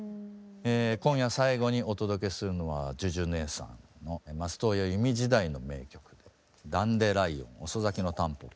今夜最後にお届けするのはＪＵＪＵねえさんの松任谷由実時代の名曲で「ダンデライオン遅咲きのたんぽぽ」。